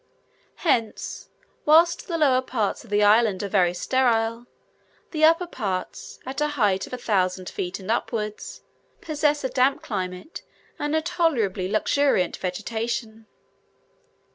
Hence, whilst the lower parts of the islands are very sterile, the upper parts, at a height of a thousand feet and upwards, possess a damp climate and a tolerably luxuriant vegetation.